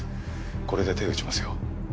これで手打ちますよ。